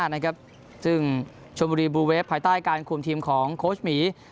ซึ่งชมบุรีบลูเวฟภายใต้การคุมทีมของโค้ชหมี